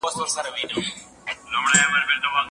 د پرمختيايي پروژو بوديجه د حکومت لخوا منظور سوه.